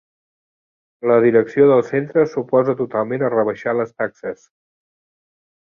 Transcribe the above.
La direcció del centre s'oposa totalment a rebaixar les taxes.